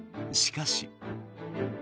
しかし。